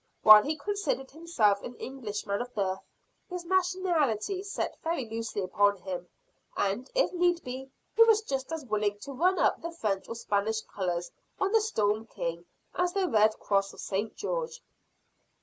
While he considered himself an Englishman of birth, his nationality sat very loosely upon him; and, if need be, he was just as willing to run up the French or Spanish colors on the Storm King, as the red cross of St. George.